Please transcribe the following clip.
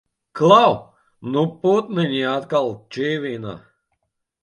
Klau! Nu putniņi atkal čivina!